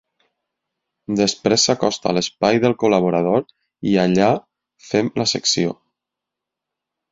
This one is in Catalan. Després s'acosta a l'espai del col·laborador i allà fem la secció.